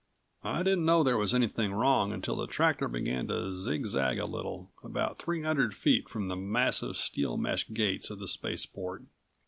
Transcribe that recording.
I didn't know there was anything wrong until the tractor began to zigzag a little, about three hundred feet from the massive, steel mesh gates of the spaceport.